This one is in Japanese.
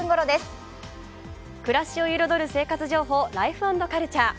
暮らしを彩る生活情報、「ライフ＆カルチャー」。